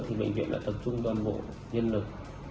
thì bệnh viện đã tập trung toàn bộ nhân lực